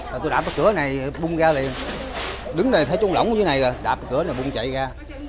rồi tôi đạp cái cửa này bung ra liền đứng đây thấy trung lỗng dưới này rồi đạp cái cửa này bung chạy ra